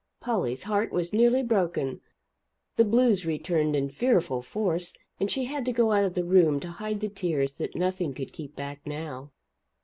Polly's heart was nearly broken; the "blues" returned in fearful force, and she had to go out of the room to hide the tears that nothing could keep back now.